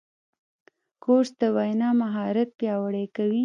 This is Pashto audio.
کورس د وینا مهارت پیاوړی کوي.